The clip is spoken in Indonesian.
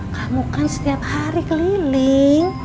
kamu kan setiap hari keliling